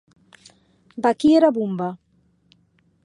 Vaquí era bomba.